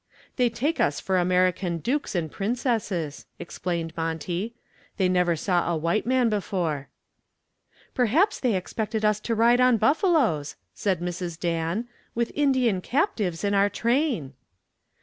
"They take us for American dukes and princesses," explained Monty. "They never saw a white man before." "Perhaps they expected us to ride on buffaloes," said Mrs. Dan, "with Indian captives in our train."